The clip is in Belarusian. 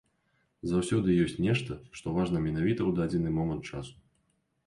Заўсёды ёсць нешта, што важна менавіта ў дадзены момант часу.